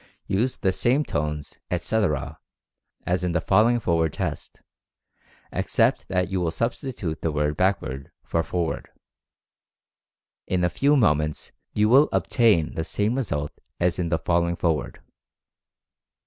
Use the same tones, etc., as in the falling forward test, except that you substitute the word "backward" for "forward." In a few mo ments you will obtain the same result as in the falling forward.